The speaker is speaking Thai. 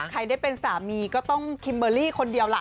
ใครได้เป็นสามีก็ต้องคิมเบอร์รี่คนเดียวล่ะ